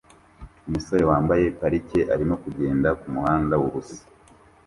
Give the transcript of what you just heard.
Umusore wambaye parike arimo kugenda kumuhanda wubusa